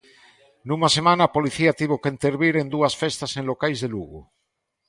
Nunha semana a Policía tivo que intervir en dúas festas en locais de Lugo.